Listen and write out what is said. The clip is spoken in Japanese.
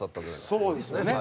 そうですよね。